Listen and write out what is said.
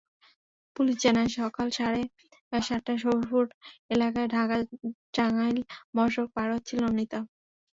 Police জানায়, সকাল সাড়ে সাতটায় সফিপুর এলাকায় ঢাকা-টাঙ্গাইল মহাসড়ক পার হচ্ছিলেন অনিতা।